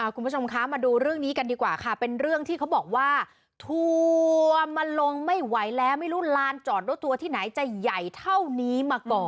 คุณผู้ชมคะมาดูเรื่องนี้กันดีกว่าค่ะเป็นเรื่องที่เขาบอกว่าทัวร์มาลงไม่ไหวแล้วไม่รู้ลานจอดรถทัวร์ที่ไหนจะใหญ่เท่านี้มาก่อน